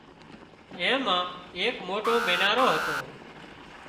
اين مان ايڪ موٽو مينارو هتو